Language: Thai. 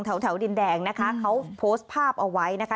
แถวดินแดงนะคะเขาโพสต์ภาพเอาไว้นะคะ